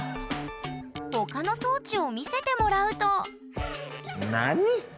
他の装置を見せてもらうと何？